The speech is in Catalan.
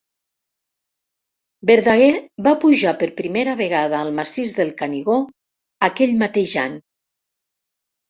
Verdaguer va pujar per primera vegada al massís del Canigó aquell mateix any.